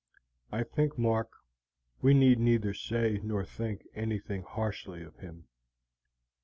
I think, Mark, we need neither say nor think anything harshly of him."